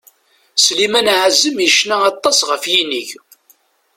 Sliman Azem yecna aṭas ɣef yinig.